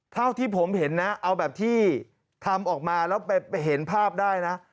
เท่าที่ผมเห็นนะเอาแบบที่ทำออกมาแล้วไปเห็นภาพได้นะ